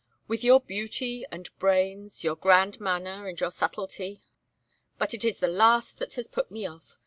With your beauty, and brains, your grand manner, and your subtlety but it is the last that has put me off.